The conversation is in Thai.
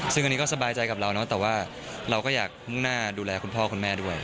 ซึ่งอันนี้ก็สบายใจกับเราเนอะแต่ว่าเราก็อยากมุ่งหน้าดูแลคุณพ่อคุณแม่ด้วย